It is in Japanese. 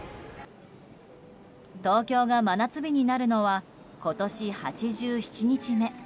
東京が真夏日になるのは今年８７日目。